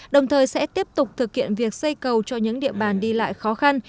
đồng thời sẽ tiếp tục thực hiện việc xây cầu cho những địa bàn đi lại khó khăn